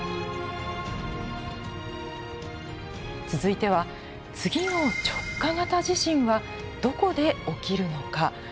続いては次の直下型地震はどこで起きるのか？